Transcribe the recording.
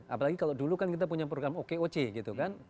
apalagi kalau dulu kan kita punya program okoc gitu kan